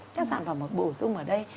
các sản phẩm bổ sung ở đây